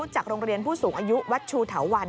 จากโรงเรียนผู้สูงอายุวัดชูเถาวัน